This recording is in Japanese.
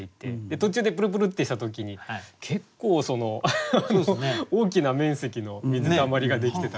途中でプルプルってした時に結構大きな面積の水溜りができてたから。